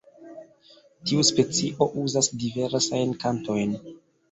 Tiu specio uzas diversajn kantojn.